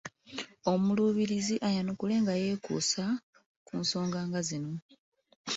Omuluubirizi ayanukule nga yeekuusa ku nsonga nga zino: